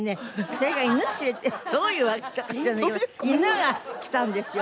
それが犬を連れてどういうわけかわからないけど犬が来たんですよ。